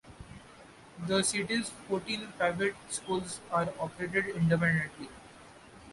The city's fourteen private schools are operated independently.